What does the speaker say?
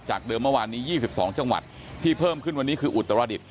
เดิมเมื่อวานนี้๒๒จังหวัดที่เพิ่มขึ้นวันนี้คืออุตรดิษฐ